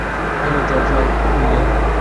Hello, George Mike William.